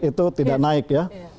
itu tidak naik ya